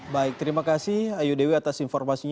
baik terima kasih ayu dewi atas informasinya